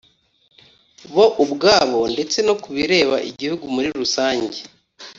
bo ubwabo ndetse no ku bireba i gihugu muri rusange.